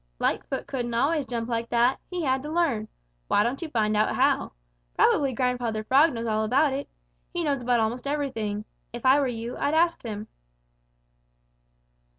"Lightfoot couldn't always jump like that; he had to learn. Why don't you find out how? Probably Grandfather Frog knows all about it. He knows about almost everything. If I were you, I'd ask him."